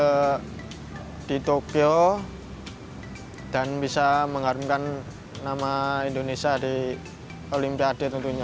saya di tokyo dan bisa mengharumkan nama indonesia di olimpiade tentunya